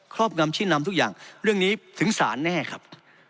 รอบงำชี้นำทุกอย่างเรื่องนี้ถึงศาลแน่ครับ